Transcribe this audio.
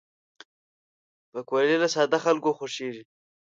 پکورې له ساده خلکو خوښېږي